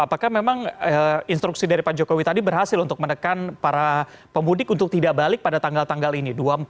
apakah memang instruksi dari pak jokowi tadi berhasil untuk menekan para pemudik untuk tidak balik pada tanggal tanggal ini dua puluh empat dan dua puluh lima